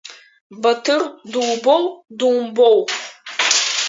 Баҭыр дубоу, думбоу?